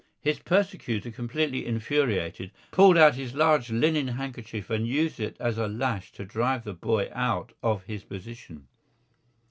His persecutor, completely infuriated, pulled out his large linen handkerchief and used it as a lash to drive the boy out of his position.